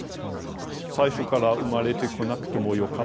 最初から生まれてこなくてもよかった。